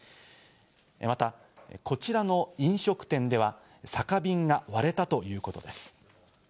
またこちらの飲食店では酒瓶が割れたということです。